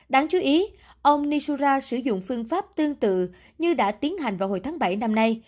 đáng chú ý ông nisura sử dụng phương pháp tương tự như đã tiến hành vào hồi tháng bảy năm nay